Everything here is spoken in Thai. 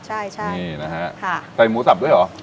ใช่นี่นะฮะใส่หมูสับด้วยเหรอ